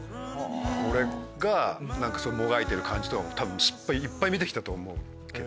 俺がもがいてる感じとか失敗いっぱい見てきたと思う。